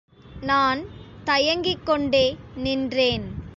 நான் தயங்கிக் கொண்டே நின்றேன்.